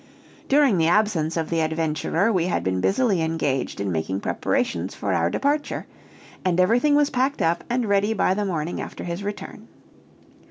During the absence of the adventurer we had been busily engaged in making preparations for our departure and everything was packed up and ready by the morning after his return.